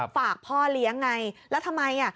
ฝากพ่อเลี้ยงไงแล้วทำไม